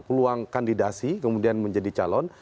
peluang kandidasi kemudian menjadi calon